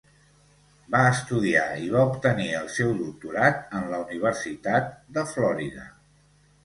Va estudiar i va obtenir el seu doctorat en la Universitat de Florida.